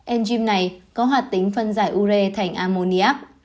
enzyme này có hoạt tính phân giải ure thành ammoniac